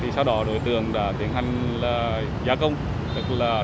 sau đó đối tượng đã tiến hành giá công đồng gói bảo bi